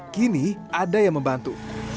kini ada yang membantu